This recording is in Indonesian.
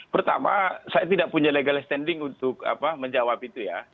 pertama saya tidak punya legal standing untuk menjawab itu ya